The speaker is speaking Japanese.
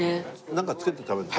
なんかつけて食べるの？